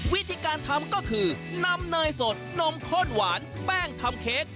วิธีการทำก็คือนำเนยสดนมข้นหวานแป้งทำเค้ก